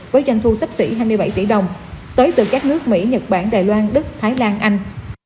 với doanh thu sấp xỉ hai mươi bảy tỷ đồng tới từ các nước mỹ nhật bản đài loan đức thái lan anh